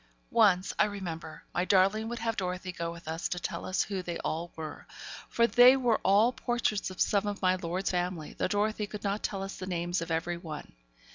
Once, I remember, my darling would have Dorothy go with us to tell us who they all were; for they were all portraits of some of my lord's family, though Dorothy could not tell us the names of every one.